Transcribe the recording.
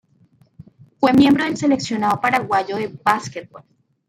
Fue miembro del seleccionado paraguayo de básquetbol.